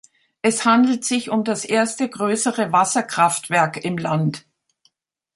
Es handelt sich um das erste größere Wasserkraftwerk im Land.